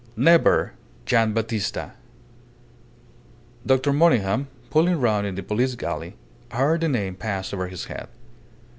"Never! Gian' Battista!" Dr. Monygham, pulling round in the police galley, heard the name pass over his head.